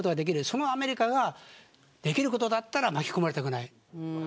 そのアメリカが、できることなら巻き込まれたくない。